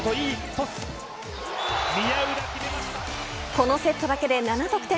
このセットだけで７得点。